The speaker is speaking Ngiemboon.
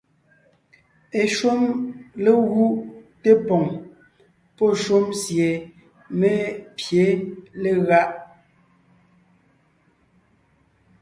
Eshúm légúʼ té poŋ pɔ́ shúm sie mé pye legáʼ.